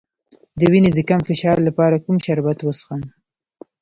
د وینې د کم فشار لپاره کوم شربت وڅښم؟